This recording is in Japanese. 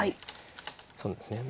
そうですね。